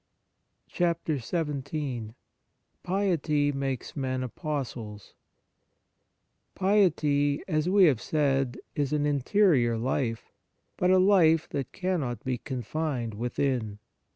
XVII PIETY MAKES MEN APOSTLES PIETY, as we have said, is an interior life, but a life that can not be confined within.